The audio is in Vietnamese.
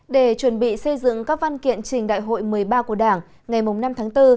để chuẩn bị xây dựng các văn kiện trình đại hội một mươi ba của đảng ngày năm tháng bốn